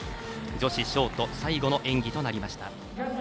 女子ショート最後の演技となりました。